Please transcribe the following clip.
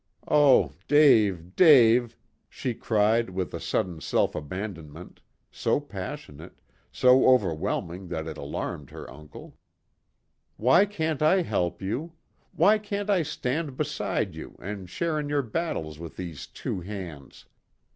Oh, Dave, Dave," she cried with a sudden self abandonment, so passionate, so overwhelming that it alarmed her uncle, "why can't I help you? Why can't I stand beside you and share in your battles with these two hands?"